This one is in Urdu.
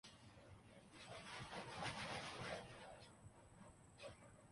منہ سنمبھال کر بات کرو۔